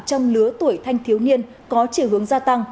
trong lứa tuổi thanh thiếu niên có chiều hướng gia tăng